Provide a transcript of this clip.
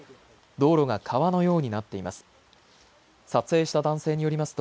道路が川のようになっています。